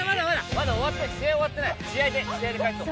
まだ終わってない試合終わってない試合で返そう。